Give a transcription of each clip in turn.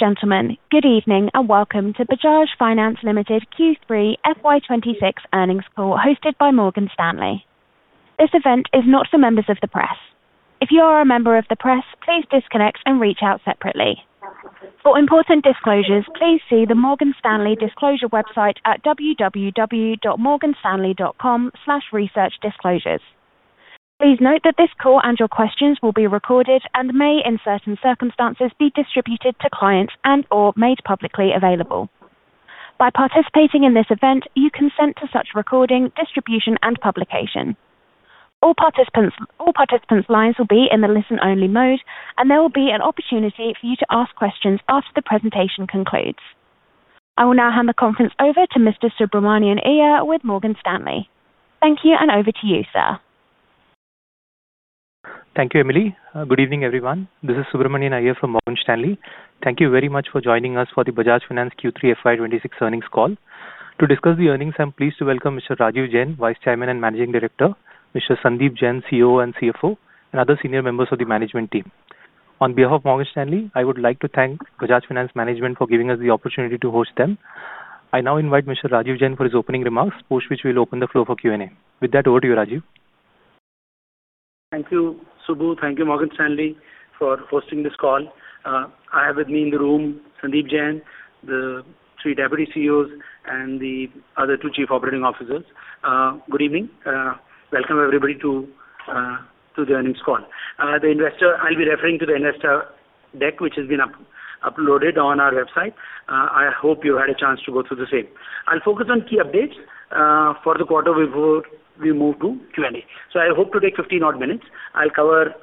Ladies and gentlemen, good evening and welcome to Bajaj Finance Limited Q3 FY 2026 Earnings Call hosted by Morgan Stanley. This event is not for members of the press. If you are a member of the press, please disconnect and reach out separately. For important disclosures, please see the Morgan Stanley disclosure website at www.morganstanley.com/researchdisclosures. Please note that this call and your questions will be recorded and may, in certain circumstances, be distributed to clients and/or made publicly available. By participating in this event, you consent to such recording, distribution, and publication. All participants' lines will be in the listen-only mode, and there will be an opportunity for you to ask questions after the presentation concludes. I will now hand the conference over to Mr. Subramanian Iyer with Morgan Stanley. Thank you, and over to you, sir. Thank you, Emily. Good evening, everyone. This is Subramanian Iyer from Morgan Stanley. Thank you very much for joining us for the Bajaj Finance Q3 FY 2026 Earnings Call. To discuss the earnings, I'm pleased to welcome Mr. Rajeev Jain, Vice Chairman and Managing Director, Mr. Sandeep Jain, CEO and CFO, and other senior members of the management team. On behalf of Morgan Stanley, I would like to thank Bajaj Finance management for giving us the opportunity to host them. I now invite Mr. Rajeev Jain for his opening remarks, post which we'll open the floor for Q&A. With that, over to you, Rajeev. Thank you, Subu. Thank you, Morgan Stanley, for hosting this call. I have with me in the room Sandeep Jain, the three deputy CEOs, and the other two chief operating officers. Good evening. Welcome, everybody, to the earnings call. I'll be referring to the investor deck, which has been uploaded on our website. I hope you had a chance to go through the same. I'll focus on key updates for the quarter we move to, Q&A. So I hope to take 15-odd minutes. I'll cover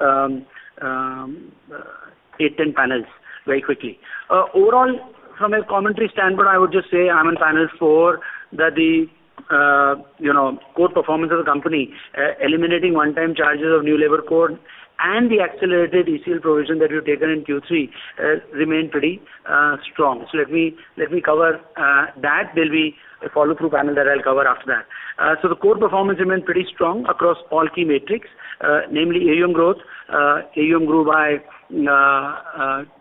8, 10 panels very quickly. Overall, from a commentary standpoint, I would just say I'm in panel 4, that the core performance of the company, eliminating one-time charges of new labor code and the accelerated ECL provision that we've taken in Q3, remained pretty strong. So let me cover that. There'll be a follow-through panel that I'll cover after that. So the core performance remained pretty strong across all key metrics, namely AUM growth. AUM grew by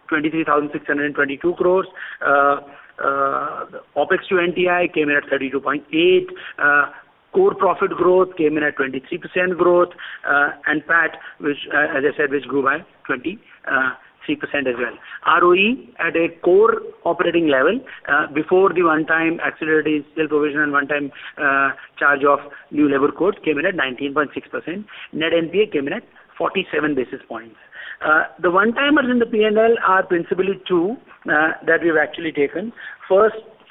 23,622 crores. OPEX to NTI came in at 32.8. Core profit growth came in at 23% growth. And PAT, as I said, which grew by 23% as well. ROE at a core operating level before the one-time accelerated ECL provision and one-time charge of new labor code came in at 19.6%. Net NPA came in at 47 basis points. The one-timers in the P&L are principally two that we've actually taken.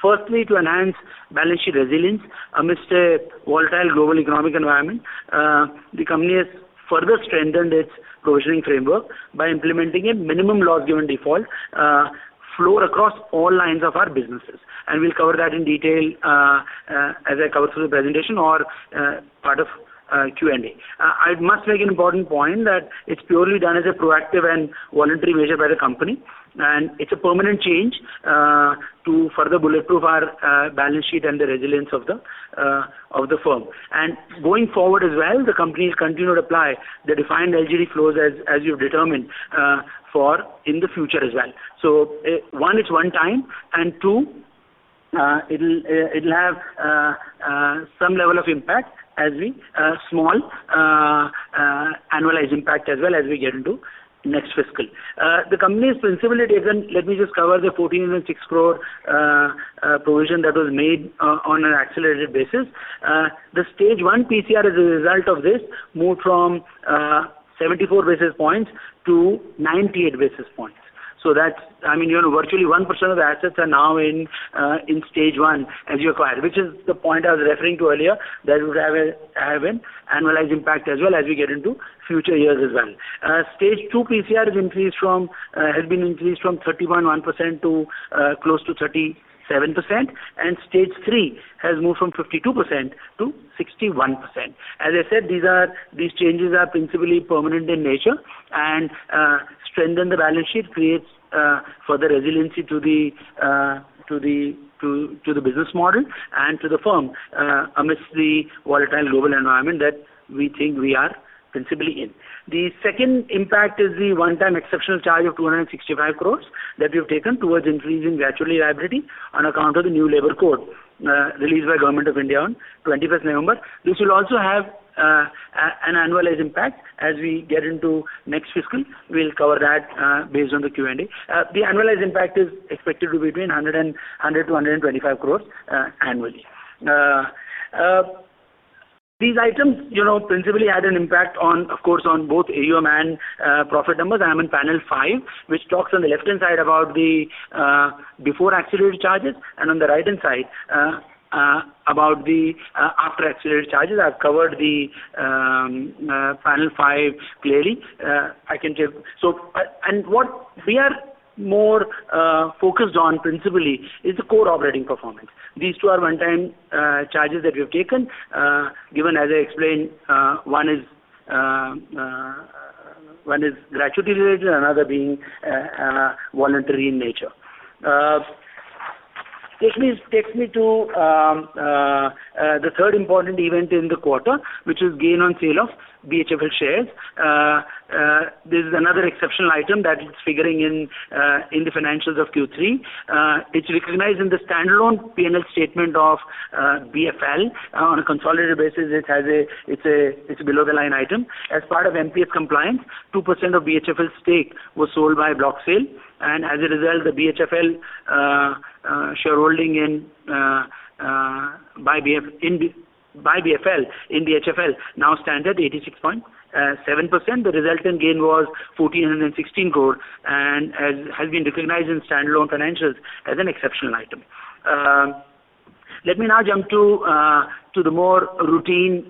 Firstly, to enhance balance sheet resilience amidst a volatile global economic environment, the company has further strengthened its provisioning framework by implementing a minimum loss given default floor across all lines of our businesses. And we'll cover that in detail as I cover through the presentation or part of Q&A. I must make an important point that it's purely done as a proactive and voluntary measure by the company, and it's a permanent change to further bulletproof our balance sheet and the resilience of the firm. Going forward as well, the company will continue to apply the defined LGD floors as you've determined in the future as well. So one, it's one-time. And two, it'll have some level of impact as well as a small annualized impact as we get into next fiscal. The company has principally taken. Let me just cover the 14.6 crore provision that was made on an accelerated basis. The Stage one PCR, as a result of this, moved from 74 basis points to 98 basis points. So that's I mean, virtually 1% of the assets are now in stage one as you acquire, which is the point I was referring to earlier that would have an annualized impact as well as we get into future years as well. Stage two PCR has been increased from 30.1% to close to 37%. Stage three has moved from 52%-61%. As I said, these changes are principally permanent in nature. Strengthen the balance sheet creates further resiliency to the business model and to the firm amidst the volatile global environment that we think we are principally in. The second impact is the one-time exceptional charge of 265 crore that we've taken towards increasing gratuity liability on account of the new labor code released by Government of India on 21st November. This will also have an annualized impact as we get into next fiscal. We'll cover that based on the Q&A. The annualized impact is expected to be between 100 crore-125 crore annually. These items principally had an impact, of course, on both AUM and profit numbers. I'm in panel 5, which talks on the left-hand side about the before-accelerated charges, and on the right-hand side about the after-accelerated charges. I've covered panel 5 clearly. I can take so and what we are more focused on principally is the core operating performance. These two are one-time charges that we've taken, given as I explained, one is gratuity related, another being voluntary in nature. Takes me to the third important event in the quarter, which is gain on sale of BHFL shares. This is another exceptional item that's figuring in the financials of Q3. It's recognized in the standalone P&L statement of BFL. On a consolidated basis, it's a below-the-line item. As part of MPS compliance, 2% of BHFL's stake was sold by block sale. As a result, the BHFL shareholding by BFL in BHFL now stands at 86.7%. The resultant gain was 1,416 crore and has been recognized in standalone financials as an exceptional item. Let me now jump to the more routine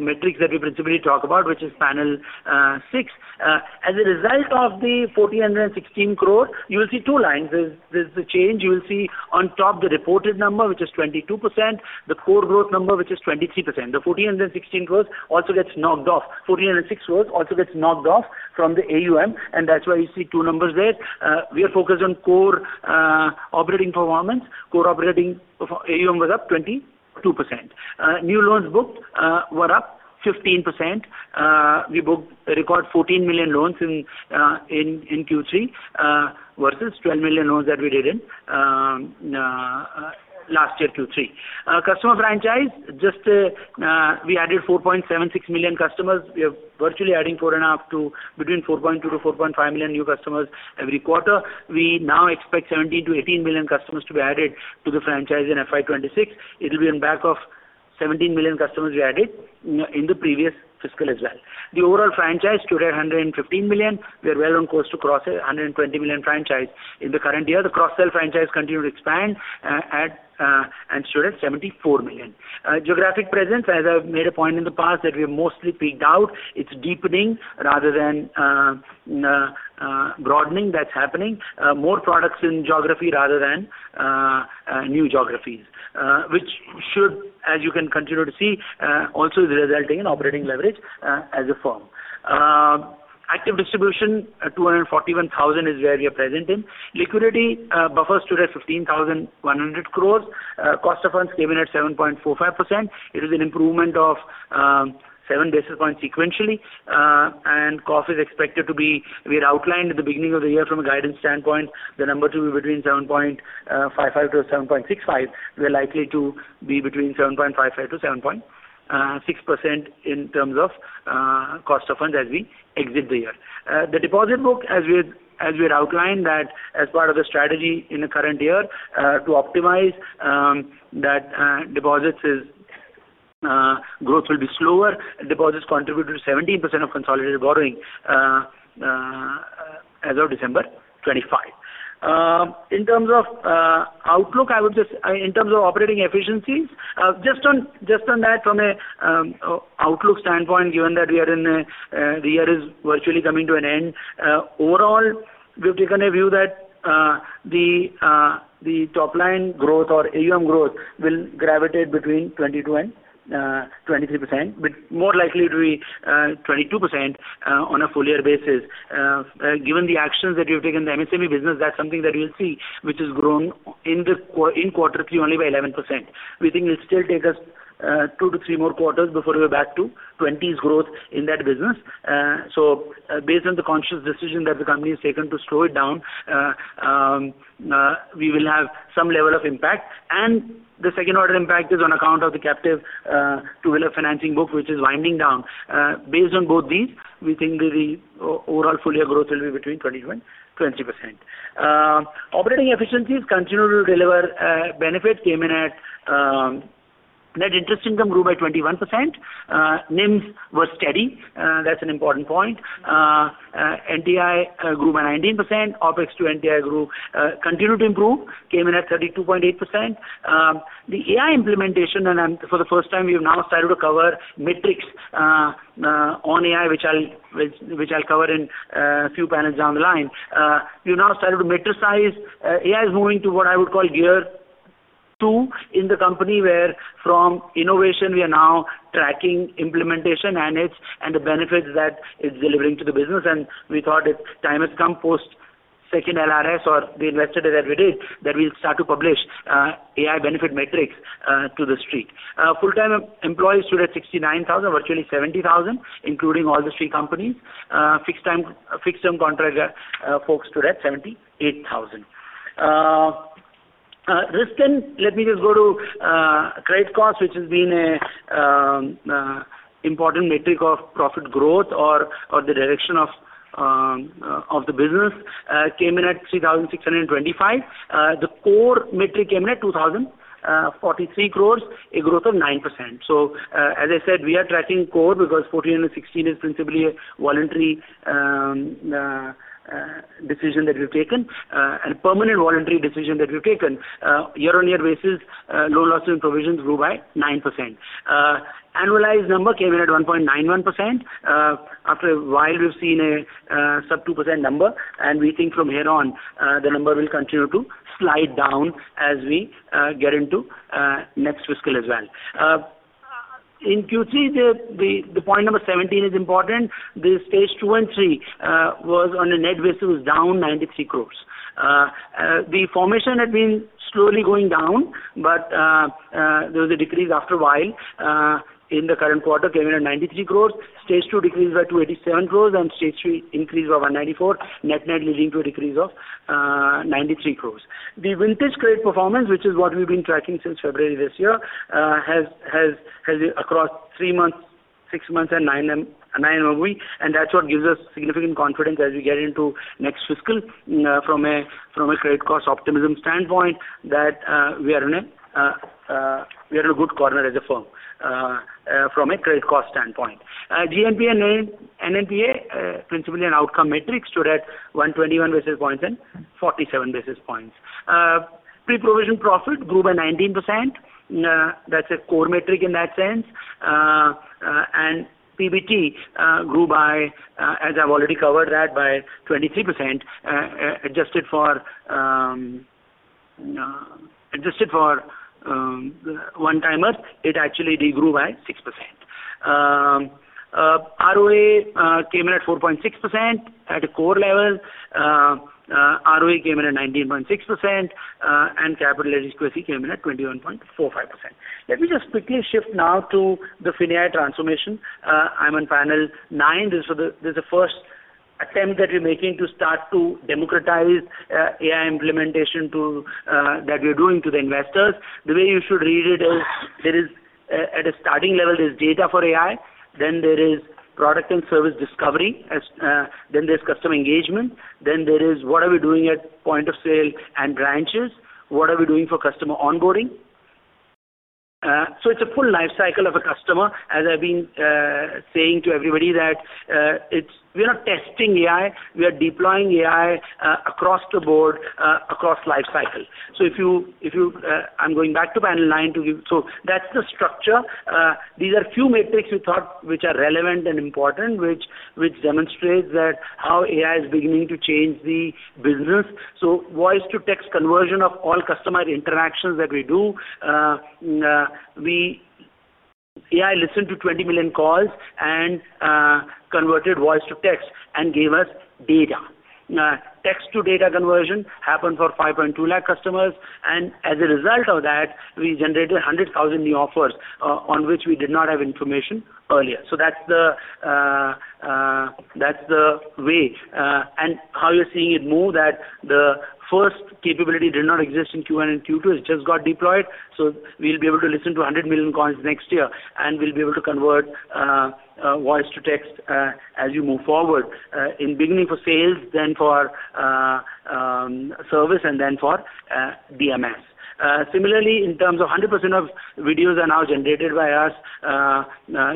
metrics that we principally talk about, which is panel 6. As a result of the 1,416 crore, you will see two lines. There's a change. You will see on top the reported number, which is 22%, the core growth number, which is 23%. The 1,416 crores also gets knocked off. 1,406 crores also gets knocked off from the AUM, and that's why you see two numbers there. We are focused on core operating performance. AUM was up 22%. New loans booked were up 15%. We booked a record 14 million loans in Q3 versus 12 million loans that we did in last year Q3. Customer franchise, just we added 4.76 million customers. We are virtually adding 4.5 to between 4.2-4.5 million new customers every quarter. We now expect 17-18 million customers to be added to the franchise in FY 2026. It'll be on back of 17 million customers we added in the previous fiscal as well. The overall franchise stood at 115 million. We are well on course to cross a 120 million franchise in the current year. The cross-sell franchise continued to expand and stood at 74 million. Geographic presence, as I've made a point in the past, that we have mostly peaked out. It's deepening rather than broadening. That's happening. More products in geography rather than new geographies, which should, as you can continue to see, also be resulting in operating leverage as a firm. Active distribution, 241,000 is where we are present in. Liquidity buffer stood at 15,100 crore. Cost of funds came in at 7.45%. It was an improvement of 7 basis points sequentially. COF is expected to be we had outlined at the beginning of the year from a guidance standpoint, the number to be between 7.55%-7.65%. We are likely to be between 7.55%-7.6% in terms of cost of funds as we exit the year. The deposit book, as we had outlined that as part of the strategy in the current year to optimize that deposits' growth will be slower. Deposits contributed to 17% of consolidated borrowing as of December 2025. In terms of outlook, I would just, in terms of operating efficiencies, just on that from an outlook standpoint, given that we are in FY 2024, the year is virtually coming to an end. Overall, we've taken a view that the top-line growth or AUM growth will gravitate between 22% and 23%, but more likely it'll be 22% on a full-year basis. Given the actions that we've taken in the MSME business, that's something that we'll see, which has grown in quarter three only by 11%. We think it'll still take us two to three more quarters before we're back to 20s growth in that business. So based on the conscious decision that the company has taken to slow it down, we will have some level of impact. And the second-order impact is on account of the captive two-wheeler financing book, which is winding down. Based on both these, we think that the overall full-year growth will be between 20%-20%. Operating efficiencies continue to deliver benefit, came in at net interest income grew by 21%. NIMs was steady. That's an important point. NTI grew by 19%. OPEX to NTI grew, continued to improve, came in at 32.8%. The AI implementation, and for the first time, we have now started to cover metrics on AI, which I'll cover in a few panels down the line. We have now started to metricize. AI is moving to what I would call gear two in the company where from innovation, we are now tracking implementation and the benefits that it's delivering to the business. And we thought its time has come post-second LRP or the investment that we did that we'll start to publish AI benefit metrics to the street. Full-time employees stood at 69,000, virtually 70,000, including all the three companies. Fixed-term contract folks stood at 78,000. Let me just go to credit cost, which has been an important metric of profit growth or the direction of the business, came in at 3,625 crore. The core metric came in at 2,043 crore, a growth of 9%. So as I said, we are tracking core because 14 and 16 is principally a voluntary decision that we've taken, a permanent voluntary decision that we've taken. Year-on-year basis, loan losses and provisions grew by 9%. Annualized number came in at 1.91%. After a while, we've seen a sub-2% number. And we think from here on, the number will continue to slide down as we get into next fiscal as well. In Q3, the point number 17 is important. The Stage two and three was, on a net basis, down 93 crore. The provision had been slowly going down, but there was a decrease after a while. In the current quarter, came in at 93 crore. Stage two decreased by 287 crore, and Stage three increased by 194 crore, net-net leading to a decrease of 93 crore. The vintage credit performance, which is what we've been tracking since February this year, has across 3MOB, 6MOB, and 9MOB. And that's what gives us significant confidence as we get into next fiscal from a credit cost optimism standpoint that we are in a we are in a good corner as a firm from a credit cost standpoint. GNPA and NNPA, principally an outcome metric, stood at 121 basis points and 47 basis points. Pre-provision profit grew by 19%. That's a core metric in that sense. And PBT grew by, as I've already covered that, by 23%. Adjusted for one-timers, it actually degrew by 6%. ROA came in at 4.6% at a core level. ROE came in at 19.6%. Capital adequacy came in at 21.45%. Let me just quickly shift now to the FinAI transformation. I'm on panel 9. This is the first attempt that we're making to start to democratize AI implementation that we're doing to the investors. The way you should read it is at a starting level, there's data for AI. Then there is product and service discovery. Then there's customer engagement. Then there is what are we doing at point of sale and branches? What are we doing for customer onboarding? So it's a full lifecycle of a customer, as I've been saying to everybody, that we are not testing AI. We are deploying AI across the board, across lifecycle. I'm going back to panel 9 to give so that's the structure. These are few metrics we thought which are relevant and important, which demonstrates how AI is beginning to change the business. Voice-to-text conversion of all customer interactions that we do, AI listened to 20 million calls and converted voice to text and gave us data. Text-to-data conversion happened for 5.2 lakh customers. And as a result of that, we generated 100,000 new offers on which we did not have information earlier. That's the way and how you're seeing it move, that the first capability did not exist in Q1 and Q2. It just got deployed. We'll be able to listen to 100 million calls next year, and we'll be able to convert voice to text as you move forward, in beginning for sales, then for service, and then for DMS. Similarly, in terms of 100% of videos are now generated by us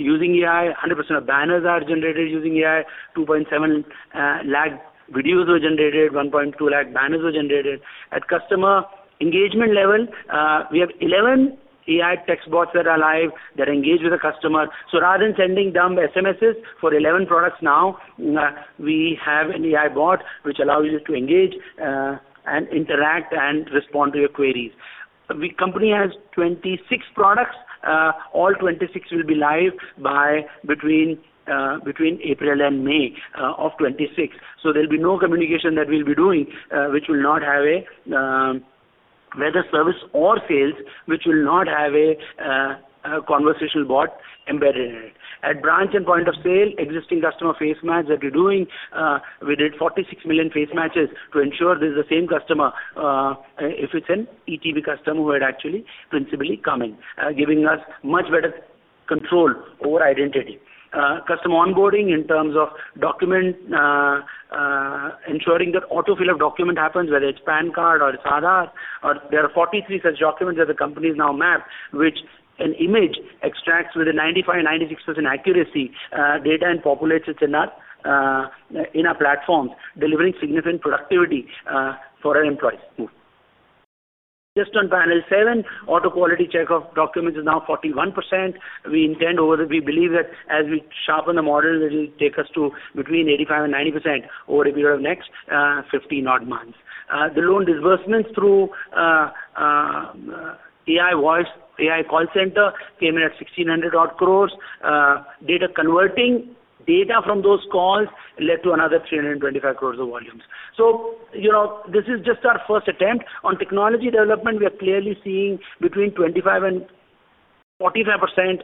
using AI. 100% of banners are generated using AI. 270,000 videos were generated. 120,000 banners were generated. At customer engagement level, we have 11 AI textbots that are live that engage with the customer. So rather than sending dumb SMSs for 11 products now, we have an AI bot which allows you to engage and interact and respond to your queries. The company has 26 products. All 26 will be live between April and May of 2026. So there'll be no communication that we'll be doing which will not have a whether service or sales, which will not have a conversational bot embedded in it. At branch and point of sale, existing customer face match that we're doing, we did 46 million face matches to ensure this is the same customer if it's an ETB customer who had actually principally come in, giving us much better control over identity. Customer onboarding in terms of document, ensuring that autofill of document happens, whether it's PAN card or it's Aadhaar. There are 43 such documents that the company is now mapped, which an image extracts with a 95%-96% accuracy data and populates it in our platforms, delivering significant productivity for our employees. Just on panel 7, auto quality check of documents is now 41%. We intend over the we believe that as we sharpen the model, it'll take us to between 85% and 90% over a period of next 50-odd months. The loan disbursements through AI call center came in at 1,600-odd crore. Data converting data from those calls led to another 325 crore of volumes. So this is just our first attempt. On technology development, we are clearly seeing between 25% and 45%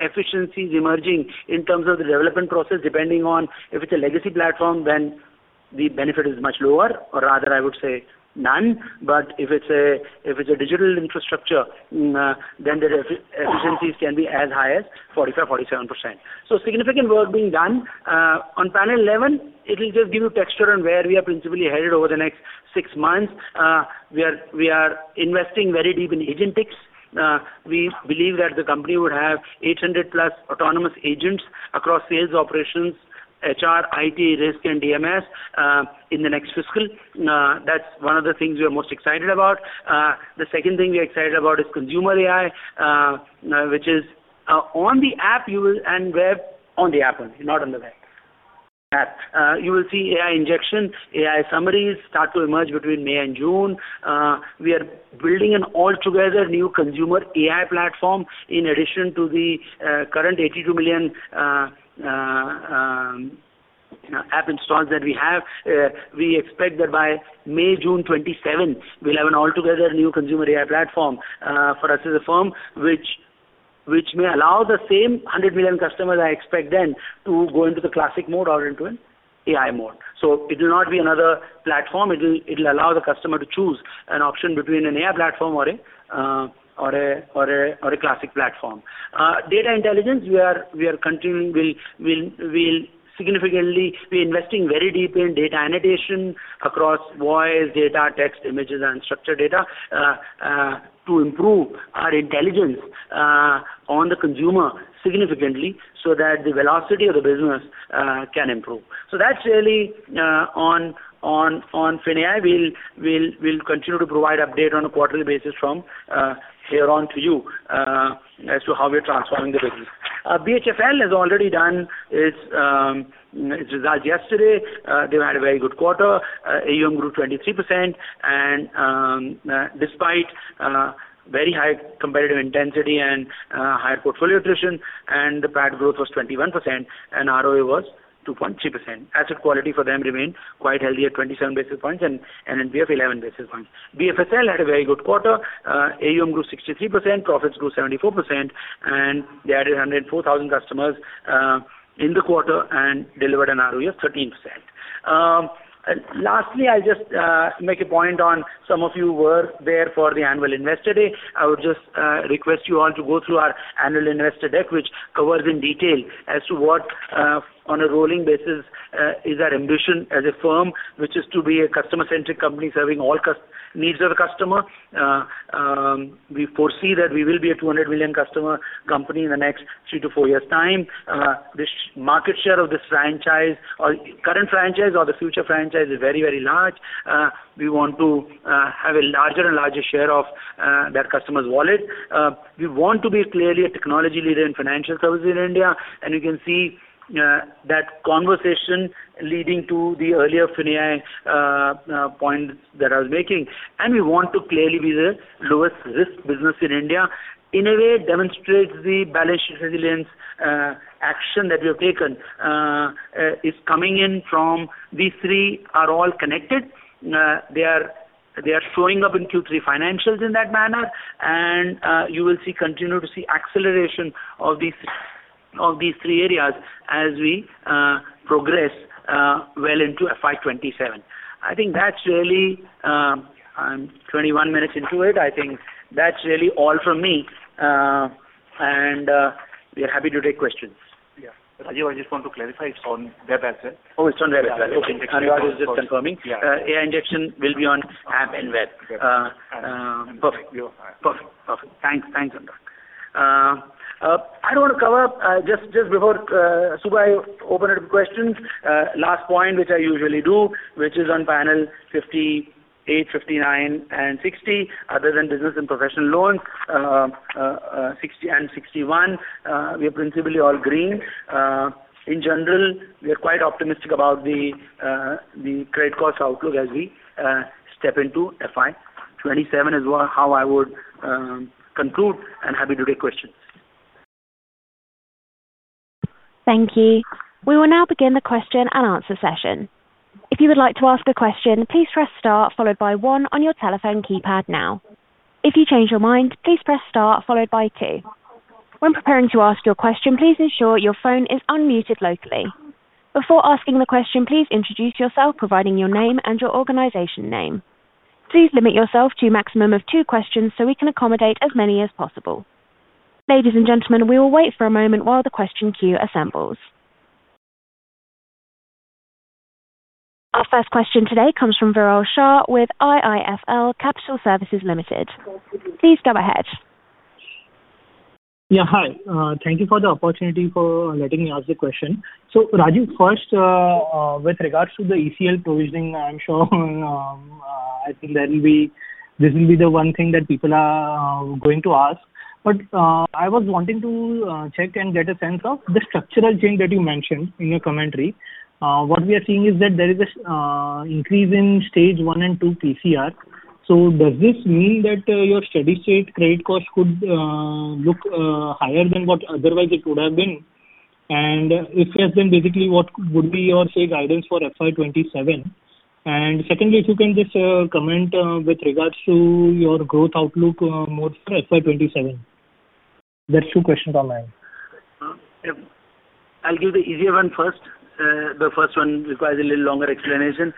efficiencies emerging in terms of the development process. Depending on if it's a legacy platform, then the benefit is much lower or rather, I would say none. But if it's a digital infrastructure, then the efficiencies can be as high as 45%-47%. So significant work being done. On panel 11, it'll just give you texture on where we are principally headed over the next six months. We are investing very deep in agentics. We believe that the company would have 800+ autonomous agents across sales operations, HR, IT, risk, and DMS in the next fiscal. That's one of the things we are most excited about. The second thing we are excited about is consumer AI, which is on the app and web on the app only, not on the web. App. You will see AI injection, AI summaries start to emerge between May and June. We are building an altogether new consumer AI platform in addition to the current 82 million app installs that we have. We expect that by May, June, 2027, we'll have an altogether new consumer AI platform for us as a firm, which may allow the same 100 million customers I expect then to go into the classic mode or into an AI mode. So it'll not be another platform. It'll allow the customer to choose an option between an AI platform or a classic platform. Data intelligence, we are continuing. We'll significantly we're investing very deeply in data annotation across voice, data, text, images, and structured data to improve our intelligence on the consumer significantly so that the velocity of the business can improve. So that's really on FinAI. We'll continue to provide update on a quarterly basis from here on to you as to how we are transforming the business. BHFL has already done its results yesterday. They've had a very good quarter. AUM grew 23%. And despite very high competitive intensity and higher portfolio attrition, and the PAT growth was 21%, and ROA was 2.3%, asset quality for them remained quite healthy at 27 basis points and NNPA 11 basis points. BFSL had a very good quarter. AUM grew 63%. Profits grew 74%. And they added 104,000 customers in the quarter and delivered an ROE of 13%. Lastly, I'll just make a point on some of you were there for the annual investor day. I would just request you all to go through our annual investor deck, which covers in detail as to what on a rolling basis is our ambition as a firm, which is to be a customer-centric company serving all needs of the customer. We foresee that we will be a 200 million customer company in the next 3-4 years' time. The market share of this franchise, current franchise or the future franchise, is very, very large. We want to have a larger and larger share of that customer's wallet. We want to be clearly a technology leader in financial services in India. And you can see that conversation leading to the earlier FinAI point that I was making. And we want to clearly be the lowest-risk business in India. In a way, it demonstrates the balance sheet resilience action that we have taken is coming in from these three are all connected. They are showing up in Q3 financials in that manner. And you will continue to see acceleration of these three areas as we progress well into FY 2027. I think that's really I'm 21 minutes into it. I think that's really all from me. And we are happy to take questions. Yeah. But I just want to clarify. On web as well? Oh, it's on web as well. Okay. Next week. I was just confirming. AI injection will be on app and web. Perfect. Perfect. Perfect. Thanks. Thanks. I do want to cover just before Subramanian opened up questions, last point which I usually do, which is on panel 58, 59, and 60, other than business and professional loans and 61, we are principally all green. In general, we are quite optimistic about the credit cost outlook as we step into FY 2027 as well. How I would conclude. Happy to take questions. Thank you. We will now begin the Q&A session. If you would like to ask a question, please press star followed by 1 on your telephone keypad now. If you change your mind, please press star followed by two. When preparing to ask your question, please ensure your phone is unmuted locally. Before asking the question, please introduce yourself providing your name and your organization name. Please limit yourself to a maximum of two questions so we can accommodate as many as possible. Ladies and gentlemen, we will wait for a moment while the question queue assembles. Our first question today comes from Viral Shah with IIFL Capital Services Limited. Please go ahead. Yeah. Hi. Thank you for the opportunity for letting me ask the question. So Raju, first, with regards to the ECL provisioning, I'm sure I think that will be the one thing that people are going to ask. But I was wanting to check and get a sense of the structural change that you mentioned in your commentary. What we are seeing is that there is an increase in stage one and two PCR. So does this mean that your steady-state credit cost could look higher than what otherwise it would have been? And if yes, then basically, what would be your, say, guidance for FY 2027? And secondly, if you can just comment with regards to your growth outlook more for FY 2027. That's two questions on my end. I'll give the easier one first. The first one requires a little longer explanation.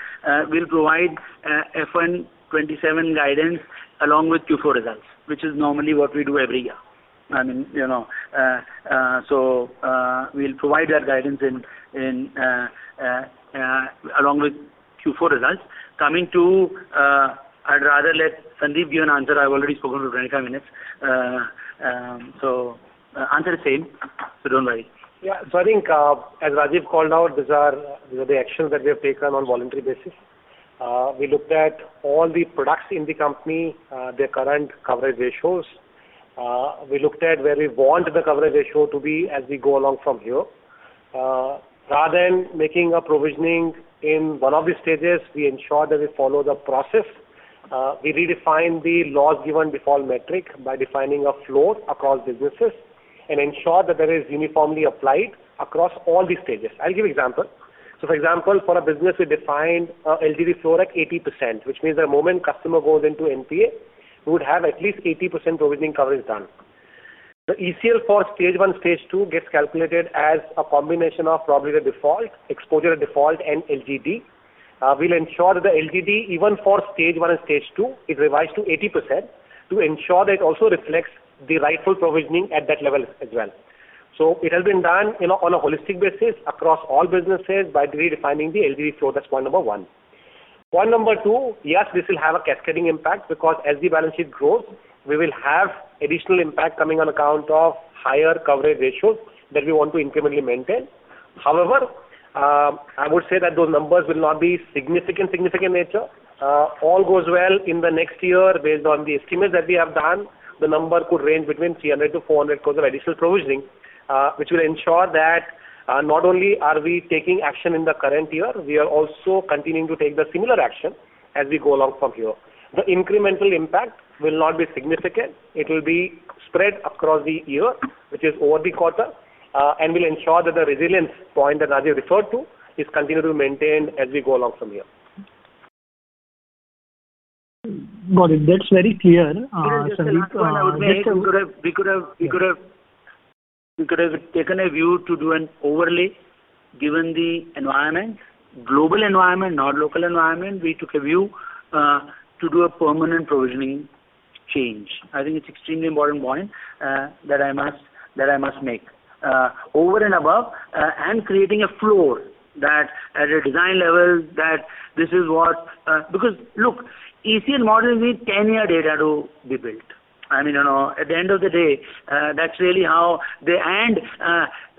We'll provide FY 2027 guidance along with Q4 results, which is normally what we do every year. I mean, so we'll provide that guidance along with Q4 results. Coming to, I'd rather let Sandeep give an answer. I've already spoken for 25 minutes. So answer the same. So don't worry. Yeah. So I think as Rajeev called out, these are the actions that we have taken on voluntary basis. We looked at all the products in the company, their current coverage ratios. We looked at where we want the coverage ratio to be as we go along from here. Rather than making a provisioning in one of the stages, we ensured that we follow the process. We redefined the loss given default metric by defining a floor across businesses and ensured that that is uniformly applied across all the stages. I'll give an example. So for example, for a business, we defined LGD floor at 80%, which means that the moment customer goes into NPA, we would have at least 80% provisioning coverage done. The ECL for stage one, stage two gets calculated as a combination of probably the default, exposure to default, and LGD. We'll ensure that the LGD, even for Stage one and Stage two, is revised to 80% to ensure that it also reflects the rightful provisioning at that level as well. So it has been done on a holistic basis across all businesses by redefining the LGD floor. That's point number one. Point number two, yes, this will have a cascading impact because as the balance sheet grows, we will have additional impact coming on account of higher coverage ratios that we want to incrementally maintain. However, I would say that those numbers will not be significant, significant nature. All goes well in the next year. Based on the estimates that we have done, the number could range between 300 crore-400 crore of additional provisioning, which will ensure that not only are we taking action in the current year, we are also continuing to take the similar action as we go along from here. The incremental impact will not be significant. It will be spread across the year, which is over the quarter, and will ensure that the resilience point that Rajeev referred to is continued to be maintained as we go along from here. Got it. That's very clear, Sandeep. We could have taken a view to do an overlay given the environment, global environment, not local environment. We took a view to do a permanent provisioning change. I think it's an extremely important point that I must make. Over and above, and creating a floor that, at a design level, that this is what because look, ECL models need 10-year data to be built. I mean, at the end of the day, that's really how they and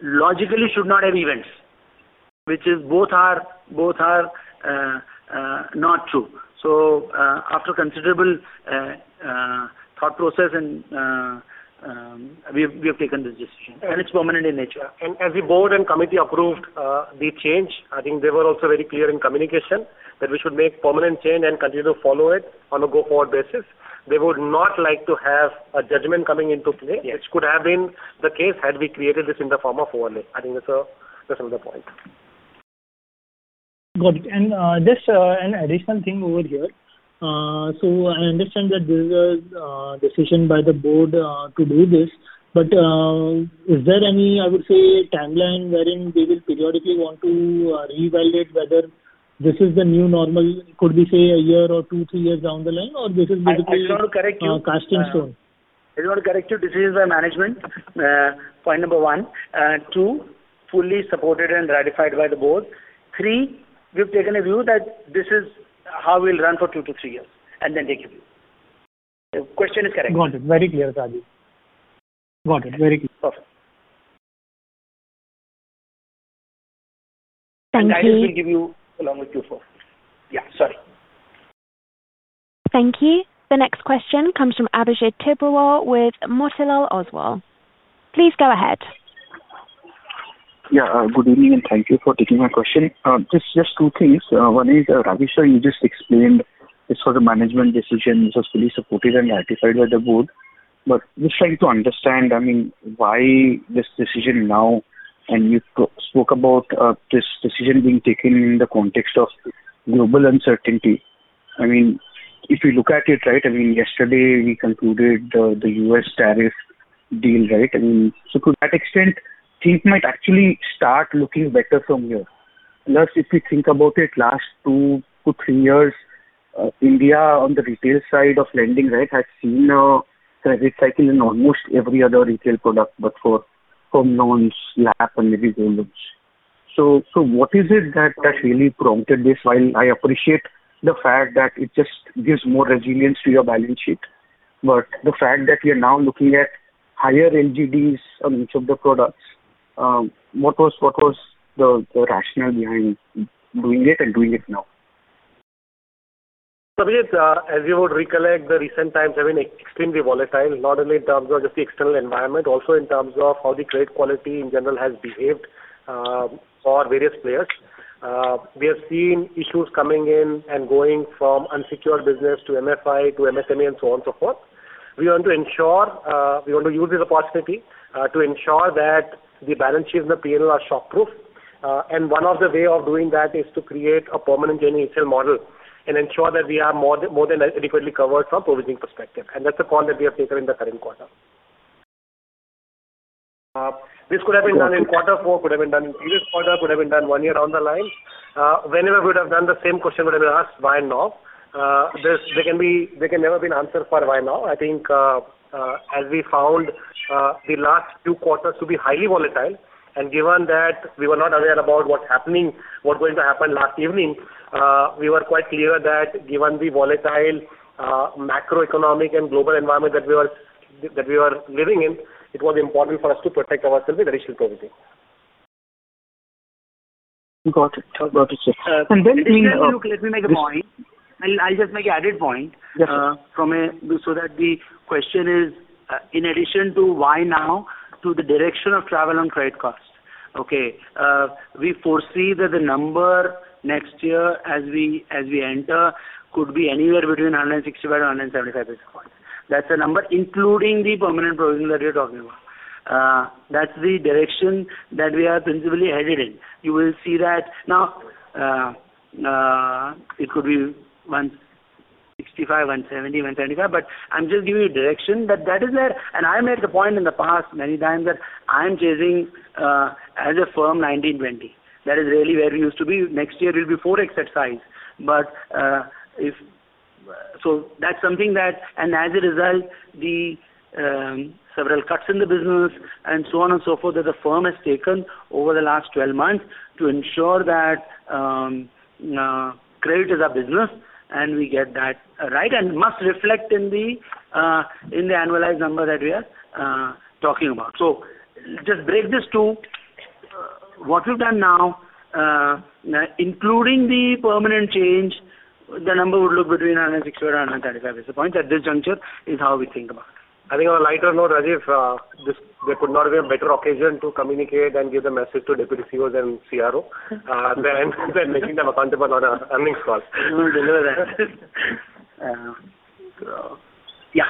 logically should not have events, which both are not true. So after considerable thought process, we have taken this decision. And it's permanent in nature. As the board and committee approved the change, I think they were also very clear in communication that we should make permanent change and continue to follow it on a go-forward basis. They would not like to have a judgment coming into play, which could have been the case had we created this in the form of overlay. I think that's another point. Got it. And just an additional thing over here. So I understand that this was a decision by the board to do this. But is there any, I would say, timeline wherein they will periodically want to revalidate whether this is the new normal could be, say, a year or two, three years down the line, or this is basically cast in stone? I don't want to correct you. I don't want to correct you. This is by management, point number 1. 2, fully supported and ratified by the board. 3, we've taken a view that this is how we'll run for 2-3 years and then take a view. The question is correct. Got it. Very clear, Raju. Got it. Very clear. Perfect. Thank you. The guidance we'll give you along with Q4. Yeah. Sorry. Thank you. The next question comes from Abh Tibrewal with Motilal Oswal. Please go ahead. Yeah. Good evening and thank you for taking my question. Just two things. One is, Abhishek, you just explained this was a management decision. This was fully supported and ratified by the board. But just trying to understand, I mean, why this decision now and you spoke about this decision being taken in the context of global uncertainty. I mean, if you look at it, right, I mean, yesterday, we concluded the U.S. tariff deal, right? I mean, so to that extent, things might actually start looking better from here. Plus, if we think about it, last two to three years, India on the retail side of lending, right, has seen a credit cycle in almost every other retail product but for home loans, LAP, and maybe gold loans. So what is it that really prompted this? While I appreciate the fact that it just gives more resilience to your balance sheet, but the fact that we are now looking at higher LGDs on each of the products. What was the rationale behind doing it and doing it now? Sandeep. As you would recollect, the recent times have been extremely volatile, not only in terms of just the external environment, also in terms of how the credit quality in general has behaved for various players. We have seen issues coming in and going from unsecured business to MFI to MSME and so on and so forth. We want to ensure we want to use this opportunity to ensure that the balance sheet and the P&L are shockproof. And one of the ways of doing that is to create a permanent journey ECL model and ensure that we are more than adequately covered from a provisioning perspective. And that's a call that we have taken in the current quarter. This could have been done in quarter four, could have been done in previous quarter, could have been done one year down the line. Whenever we would have done the same question, we would have been asked, "Why now?" There can never have been an answer for why now. I think as we found the last two quarters to be highly volatile, and given that we were not aware about what's happening, what's going to happen last evening, we were quite clear that given the volatile macroeconomic and global environment that we were living in, it was important for us to protect ourselves with additional provisioning. Got it. Got it. And then, I mean, look, let me make a point. I'll just make an added point so that the question is, in addition to why now, to the direction of travel on credit cost. Okay. We foresee that the number next year as we enter could be anywhere between 165 and 175 basis points. That's the number including the permanent provision that you're talking about. That's the direction that we are principally headed in. You will see that now, it could be 165, 170, 175, but I'm just giving you direction that that is there. And I made the point in the past many times that I'm chasing as a firm 19-20. That is really where we used to be. Next year, it will be 4x at size. So that's something that, and as a result, the several cuts in the business and so on and so forth that the firm has taken over the last 12 months to ensure that credit is our business and we get that right and must reflect in the annualized number that we are talking about. So just break this to what we've done now, including the permanent change, the number would look between 165 and 175 basis points. At this juncture, is how we think about it. I think on a lighter note, Rajeev, there could not have been a better occasion to communicate and give the message to deputy CEOs and CROs than making them accountable on an earnings call. We will deliver that. Yeah.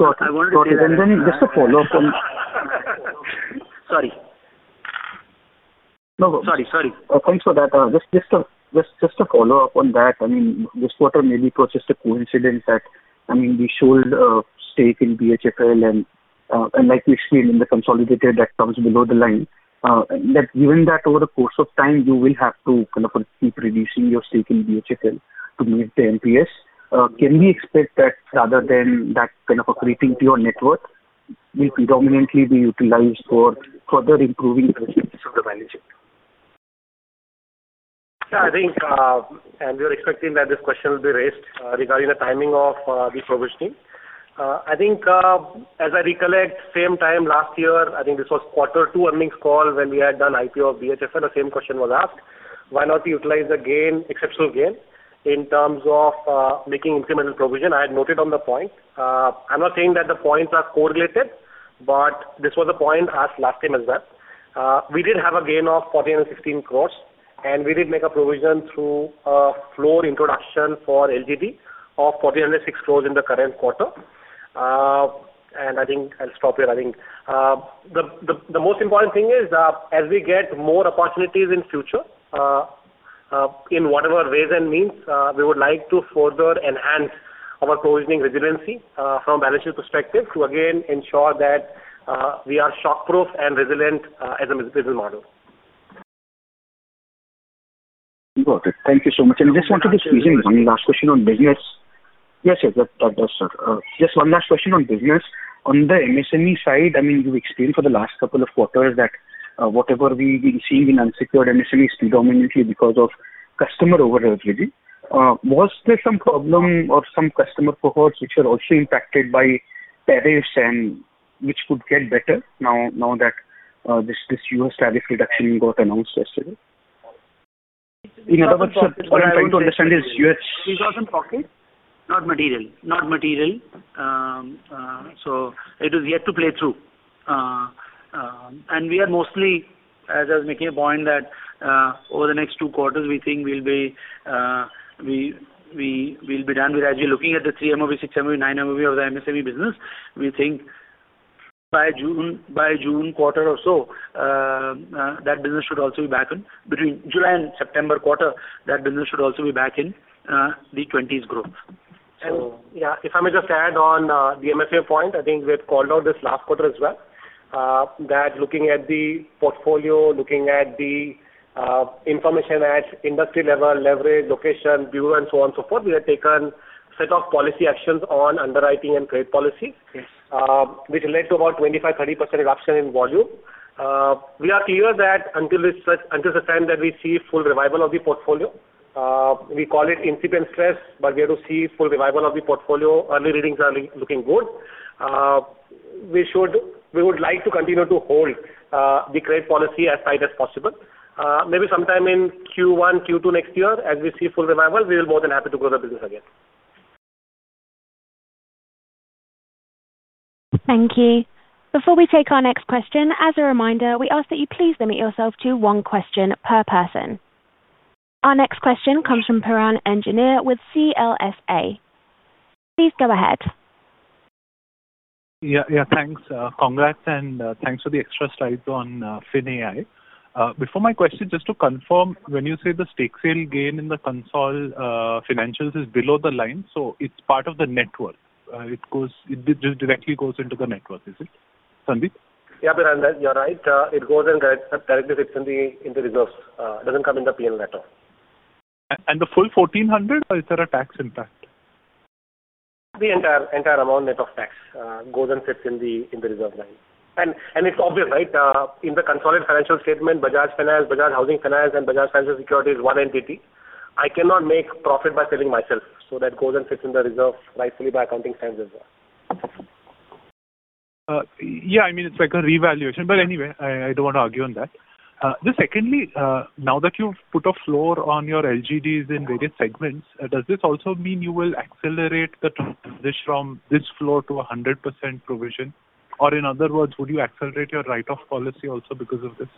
Got it. I wanted to say that. Got it. And then just a follow-up on. Sorry. No, go. Sorry. Sorry. Thanks for that. Just a follow-up on that. I mean, this quarter may be perhaps just a coincidence that, I mean, we sold a stake in BHFL and like we've seen in the consolidated that comes below the line, that given that over the course of time, you will have to kind of keep reducing your stake in BHFL to meet the MPS. Can we expect that rather than that kind of accreting to your net worth, will predominantly be utilized for further improving the resilience of the balance sheet? Yeah. We are expecting that this question will be raised regarding the timing of the provisioning. I think as I recollect, same time last year, I think this was quarter two earnings call when we had done IPO of BHFL, the same question was asked, "Why not utilize the exceptional gain in terms of making incremental provision?" I had noted on the point. I'm not saying that the points are correlated, but this was a point asked last time as well. We did have a gain of 1,416 crore, and we did make a provision through a floor introduction for LGD of 1,406 crore in the current quarter. I think I'll stop here, I think. The most important thing is as we get more opportunities in future in whatever ways and means, we would like to further enhance our provisioning resiliency from a balance sheet perspective to again ensure that we are shockproof and resilient as a business model. Got it. Thank you so much. I just want to raise one last question on business. Yes, yes. That's right. Just one last question on business. On the MSME side, I mean, you've explained for the last couple of quarters that whatever we've been seeing in unsecured MSMEs predominantly because of customer overload, really. Was there some problem or some customer cohorts which are also impacted by tariffs and which could get better now that this U.S. tariff reduction got announced yesterday? In other words, what I'm trying to understand is U.S. Resource and pocket, not material. Not material. So it is yet to play through. We are mostly, as I was making a point, that over the next 2 quarters, we think we'll be done. As you're looking at the 3MOB, 6MOB, 9MOB of the MSME business, we think by June quarter or so, that business should also be back in between July and September quarter, that business should also be back in the 20s growth. Yeah, if I may just add on the MFI point, I think we have called out this last quarter as well that looking at the portfolio, looking at the information at industry level, leverage, location, bureau, and so on and so forth, we had taken a set of policy actions on underwriting and trade policy, which led to about 25%-30% reduction in volume. We are clear that until the time that we see full revival of the portfolio, we call it incipient stress, but we have to see full revival of the portfolio. Early readings are looking good. We would like to continue to hold the trade policy as tight as possible. Maybe sometime in Q1, Q2 next year, as we see full revival, we will be more than happy to grow the business again. Thank you. Before we take our next question, as a reminder, we ask that you please limit yourself to one question per person. Our next question comes from Piran Engineer with CLSA. Please go ahead. Yeah. Yeah. Thanks. Congrats, and thanks for the extra slides on FinAI. Before my question, just to confirm, when you say the stake sale gain in the consolidated financials is below the line, so it's part of the net worth. It directly goes into the net worth, is it, Sandeep? Yeah, Piran, you're right. It goes and directly sits in the reserves. It doesn't come in the P&L at all. The full 1,400, or is there a tax impact? The entire amount net of tax goes and sits in the reserve line. It's obvious, right? In the consolidated financial statement, Bajaj Finance, Bajaj Housing Finance, and Bajaj Financial Securities is one entity. I cannot make profit by selling myself. That goes and sits in the reserve rightfully by accounting standards as well. Yeah. I mean, it's like a revaluation. But anyway, I don't want to argue on that. Just secondly, now that you've put a floor on your LGDs in various segments, does this also mean you will accelerate the transition from this floor to 100% provision? Or in other words, would you accelerate your write-off policy also because of this?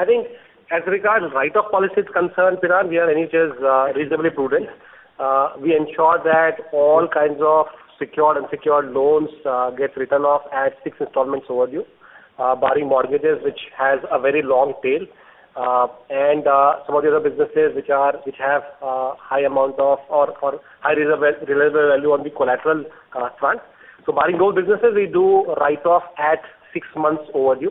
I think as regards write-off policy is concerned, Piran, we are now reasonably prudent. We ensure that all kinds of secured, unsecured loans get written off at six installments overdue, barring mortgages, which has a very long tail, and some of the other businesses which have a high amount of or high reliable value on the collateral front. So barring those businesses, we do write off at six months overdue.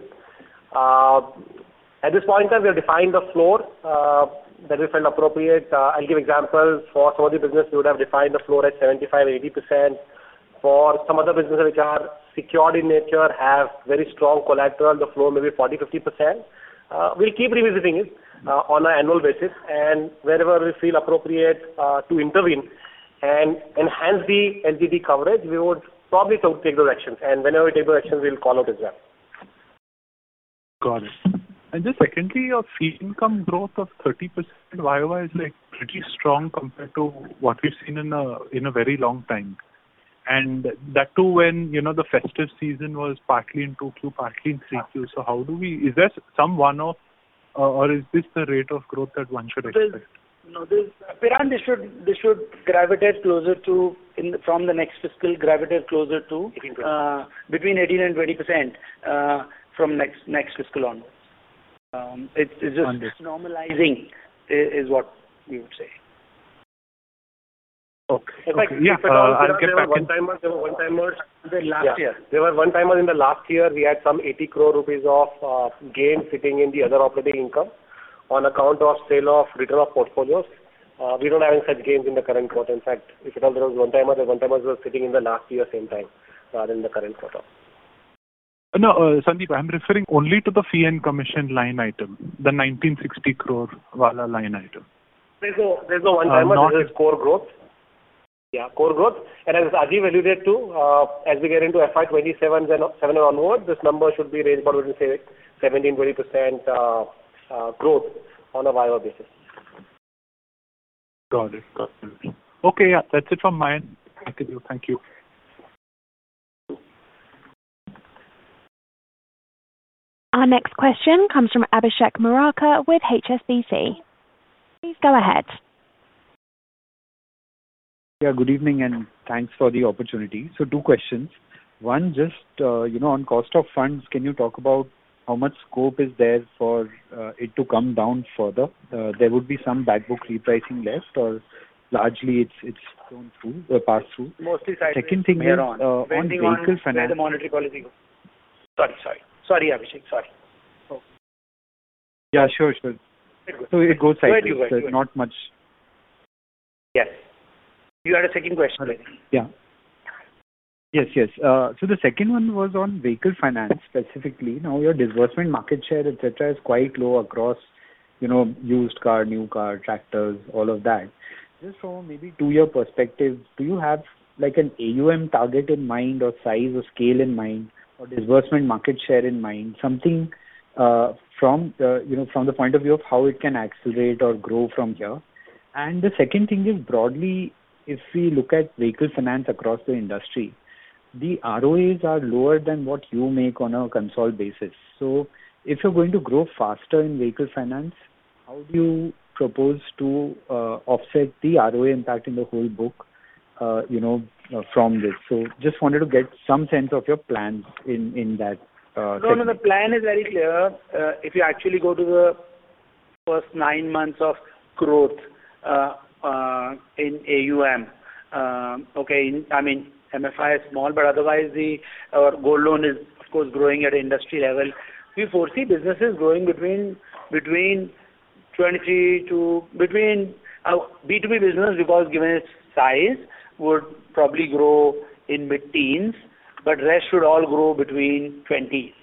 At this point in time, we have defined a floor that we felt appropriate. I'll give examples. For some of the businesses, we would have defined a floor at 75%-80%. For some other businesses which are secured in nature, have very strong collateral, the floor may be 40%-50%. We'll keep revisiting it on an annual basis. And wherever we feel appropriate to intervene and enhance the LGD coverage, we would probably take those actions. Whenever we take those actions, we'll call out as well. Got it. And just secondly, your fee income growth of 30%, why am I? It's pretty strong compared to what we've seen in a very long time. And that too, when the festive season was partly in 2Q, partly in 3Q. So is there some one-off or is this the rate of growth that one should expect? Piran, this should gravitate closer to from the next fiscal, gravitate closer to between 18%-20% from next fiscal onwards. It's just normalizing is what we would say. Okay. Yeah. I'll get back in. If at all, there were one-timers last year. There were one-timers in the last year. We had some 80 crore rupees of gain sitting in the other operating income on account of sale of return of portfolios. We don't have any such gains in the current quarter. In fact, if at all, there was one-timer, the one-timers were sitting in the last year same time rather than the current quarter. No, Sandeep, I'm referring only to the fee and commission line item, the 1,960 crore value line item. There's no one-timer. This is core growth. Yeah, core growth. And as Ajay valued it too, as we get into FY2027 and onwards, this number should be ranged about within 17%-20% growth on a volume basis. Got it. Got it. Okay. Yeah. That's it from my end. Thank you. Our next question comes from Abhishek Murarka with HSBC. Please go ahead. Yeah. Good evening, and thanks for the opportunity. So two questions. One, just on cost of funds, can you talk about how much scope is there for it to come down further? There would be some backbook repricing left, or largely, it's passed through? Second thing is on vehicle finance. Sorry. Sorry. Sorry, Abhishek. Sorry. Yeah. Sure. Sure. So it goes sideways. Not much. Yes. You had a second question, right? So the second one was on vehicle finance specifically. Now, your disbursement market share, etc., is quite low across used car, new car, tractors, all of that. Just from maybe a two-year perspective, do you have an AUM target in mind or size or scale in mind or disbursement market share in mind, something from the point of view of how it can accelerate or grow from here? And the second thing is broadly, if we look at vehicle finance across the industry, the ROAs are lower than what you make on a consolidated basis. So if you're going to grow faster in vehicle finance, how do you propose to offset the ROA impact in the whole book from this? So just wanted to get some sense of your plans in that section. No, no. The plan is very clear. If you actually go to the first nine months of growth in AUM, okay, I mean, MFI is small, but otherwise, our gold loan is, of course, growing at industry level. We foresee businesses growing between 23 to between B2B business, because given its size, would probably grow in mid-teens, but rest should all grow between 20s.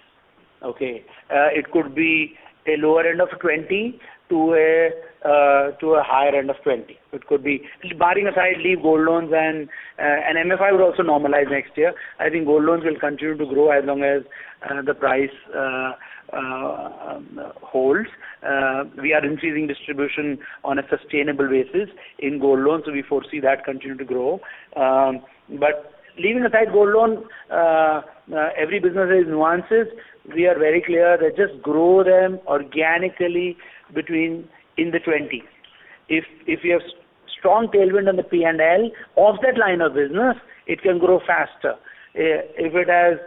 Okay? It could be a lower end of 20 to a higher end of 20. It could be barring aside, leave gold loans, and MFI would also normalize next year. I think gold loans will continue to grow as long as the price holds. We are increasing distribution on a sustainable basis in gold loans, so we foresee that continuing to grow. But leaving aside gold loan, every business has nuances. We are very clear that just grow them organically in the 20s. If you have strong tailwind on the P&L off that line of business, it can grow faster. If it has